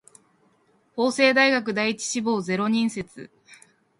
法政大学第一志望ゼロ人説